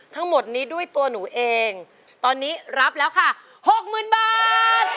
ทั้งหมดนี้ด้วยตัวหนูเองตอนนี้รับแล้วค่ะหกหมื่นบาท